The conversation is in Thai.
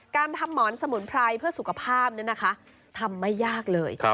การทำหมอนสมุนไพรเพื่อสุขภาพทำไม่ยากเลย